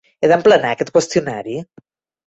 He d'emplenar aquest qüestionari?